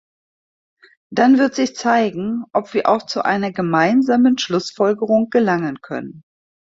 Dann wird sich zeigen, ob wir auch zu einer gemeinsamen Schlussfolgerung gelangen können.